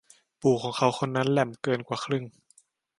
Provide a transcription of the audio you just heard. ปู่ของเขาคนนั้นแหลมเกินกว่าครึ่ง